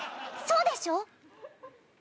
そうでしょう？